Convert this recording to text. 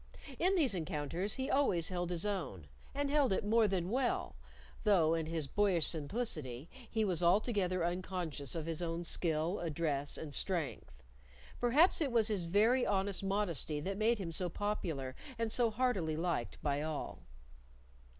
In these encounters he always held his own; and held it more than well, though, in his boyish simplicity, he was altogether unconscious of his own skill, address, and strength. Perhaps it was his very honest modesty that made him so popular and so heartily liked by all.